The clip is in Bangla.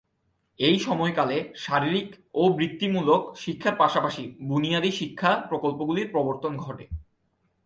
এই সময়কালে শারীরিক ও বৃত্তিমূলক শিক্ষার পাশাপাশি বুনিয়াদি শিক্ষা প্রকল্পগুলির প্রবর্তন ঘটে।